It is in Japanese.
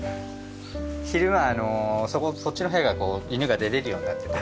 昼はそっちの部屋がこう犬が出れるようになってて。